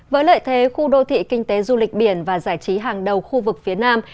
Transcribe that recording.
với lợi thế khu đô thị kinh tế du lịch biển và giải trí hàng đầu khu vực phía nam